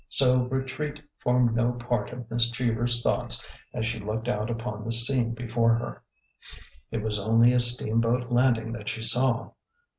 So retreat formed no part of Miss Cheever's thoughts as she looked out upon the scene before her. It was only a steamboat landing that she saw.